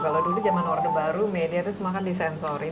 kalau dulu zaman warna baru media itu semangat disensorin